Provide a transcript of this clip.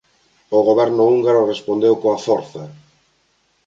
O goberno húngaro respondeu coa forza.